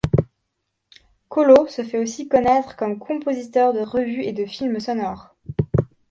Kollo se fait aussi connaître comme compositeur de revues et de films sonores.